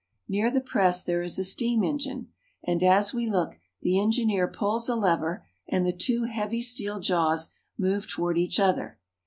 Near the press there is a steam engine, and, as we look, the engineer pulls a lever, and the two heavy steel jaws move toward each other.